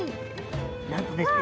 なんとですね